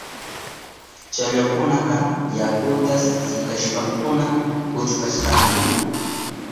Challwakunaka yakuta sikashpankuna kuchpashkakuna.